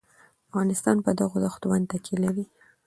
افغانستان په دغو دښتو باندې تکیه لري.